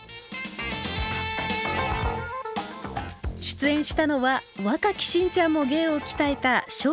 出演したのは若き信ちゃんも芸を鍛えた笑